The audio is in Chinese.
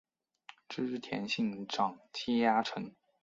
织田信长家臣。